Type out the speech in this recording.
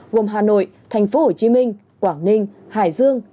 gồm hà nội tp hcm quảng ninh hải dương